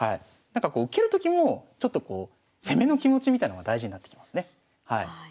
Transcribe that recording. なんかこう受けるときもちょっとこう攻めの気持ちみたいのが大事になってきますね。